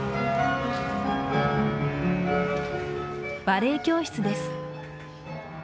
バレエ教室です。